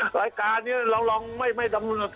รายการนี้เราลองไม่ดำรง